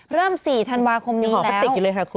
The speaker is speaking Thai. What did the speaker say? เริ่ม๔ธันวาคมนี้แล้ว